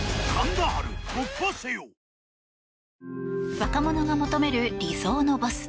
若者が求める理想のボス。